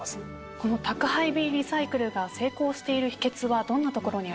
この宅配便リサイクルが成功している秘訣はどんなところにありますか？